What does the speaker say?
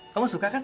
kamu suka kan